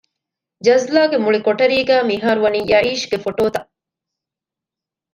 ޖަޒްލާގެ މުޅި ކޮޓަރީގައި މިހާރުވަނީ ޔައީޝްގެ ފޮޓޯތައް